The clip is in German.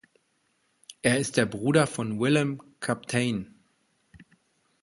Er ist der Bruder von Willem Kapteyn.